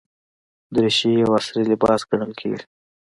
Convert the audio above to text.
دریشي یو عصري لباس ګڼل کېږي.